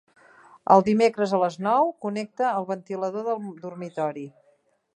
Els dimecres a les nou connecta el ventilador del dormitori.